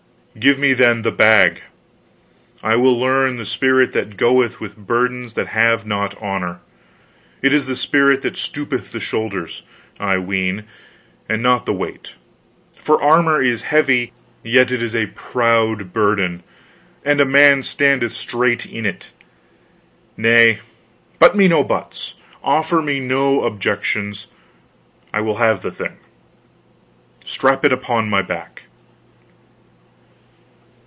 "Give me, then, the bag. I will learn the spirit that goeth with burdens that have not honor. It is the spirit that stoopeth the shoulders, I ween, and not the weight; for armor is heavy, yet it is a proud burden, and a man standeth straight in it.... Nay, but me no buts, offer me no objections. I will have the thing. Strap it upon my back."